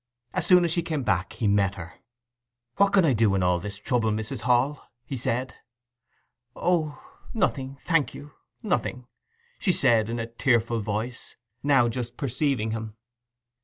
As soon as she came back he met her. 'What can I do in this trouble, Mrs. Hall?' he said. 'O—nothing, thank you, nothing,' she said in a tearful voice, now just perceiving him.